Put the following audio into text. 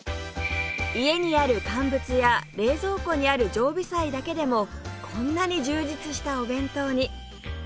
家にある乾物や冷蔵庫にある常備菜だけでもこんなに充実したお弁当に！